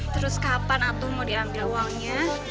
terus kapan atu mau diambil uangnya